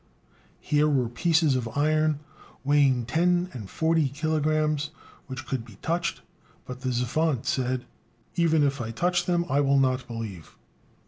Here were pieces of iron weighing ten and forty kilogrammes, which could be touched, but the savant said: "Even if I touch them, I will not believe."